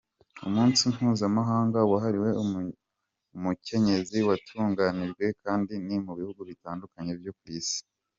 Umunsi mpuzamakungu wahariwe umukenyezi watunganijwe kandi mu bihugu bitandukanye vyo kw'isi.